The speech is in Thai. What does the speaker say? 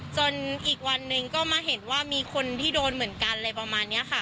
อีกวันหนึ่งก็มาเห็นว่ามีคนที่โดนเหมือนกันอะไรประมาณนี้ค่ะ